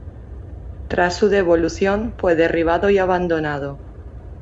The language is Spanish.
Tras su devolución, fue derribado y abandonado.